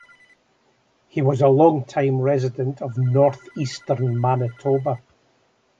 He was a long-time resident of northeastern Manitoba.